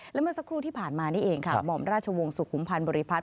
และเมื่อสักครู่ที่ผ่านมานี่เองค่ะหม่อมราชวงศ์สุขุมพันธ์บริพัฒน